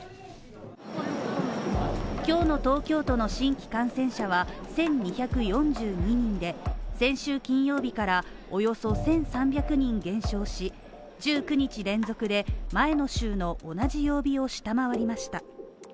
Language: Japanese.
今日の東京都の新規感染者は１２４２人で先週金曜日から、およそ１３００人減少し１９日連続で前の週の同じ曜日を下回りました。